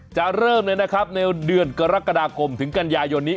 เริ่มเลยนะครับในเดือนกรกฎาคมถึงกันยายนนี้